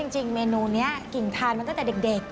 จริงเมนูนี้กิ่งทานมาตั้งแต่เด็ก